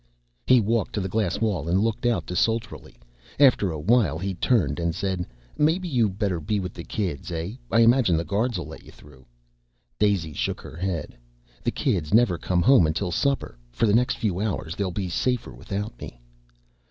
He walked to the glass wall and looked out desultorily. After a while he turned and said, "Maybe you better be with the kids, hey? I imagine the guards'll let you through." Daisy shook her head. "The kids never come home until supper. For the next few hours they'll be safer without me."